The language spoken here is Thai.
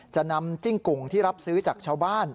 จะนำจิ้งกุ่งที่รับซื้อจากชาวบ้าน